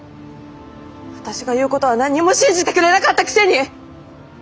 私が言うことは何にも信じてくれなかったくせに！